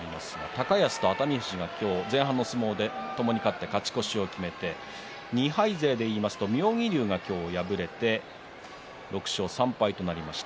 高安と熱海富士が今日前半の相撲でともに勝って勝ち越しを決めて２敗勢でいいますと今日、妙義龍が敗れて６勝３敗となりました。